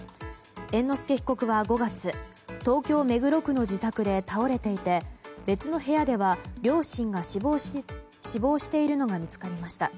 猿之助被告は５月東京・目黒区の自宅で倒れていて別の部屋では両親が死亡しているのが見つかりました。